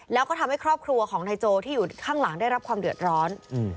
แล้วก็ทำให้ครอบครัวของนายโจที่อยู่ข้างหลังได้รับความเดือดร้อน